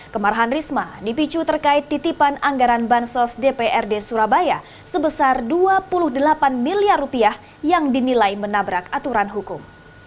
kemarahan risma dipicu terkait titipan anggaran bansos dprd surabaya sebesar dua puluh delapan miliar rupiah yang dinilai menabrak aturan hukum